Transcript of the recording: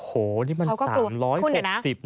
โหนี่มัน๓๖๐นะ